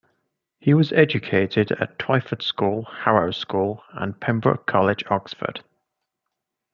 He was educated at Twyford School, Harrow School and Pembroke College, Oxford.